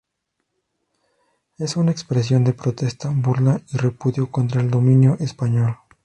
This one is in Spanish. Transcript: Es una expresión de protesta, burla y repudio contra el dominio español.